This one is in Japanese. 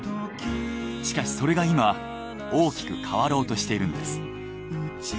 しかしそれが今大きく変わろうとしているんです。